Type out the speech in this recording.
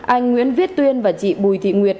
anh nguyễn viết tuyên và chị bùi thị nguyệt